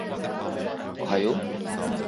가요?